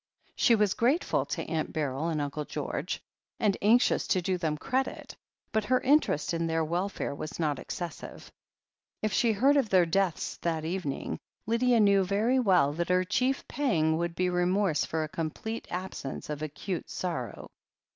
She was grateful to Aunt Beryl and Uncle George, and anxious to do them credit, but her interest in their welfare was not excessive. If she heard of their deaths that evening, Lydia knew very well that her chief pang would be remorse for a complete absence of acute sorrow.